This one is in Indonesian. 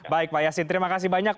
baik pak yasin terima kasih banyak